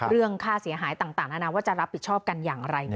เรื่องค่าเสียหายต่างนานาว่าจะรับผิดชอบกันอย่างไร